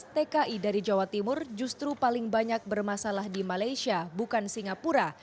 tki dari jawa timur justru paling banyak bermasalah di malaysia bukan singapura